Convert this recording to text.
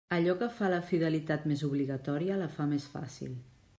Allò que fa la fidelitat més obligatòria la fa més fàcil.